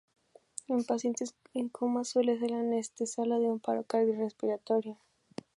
En pacientes en coma suele ser la antesala de un paro cardiorrespiratorio.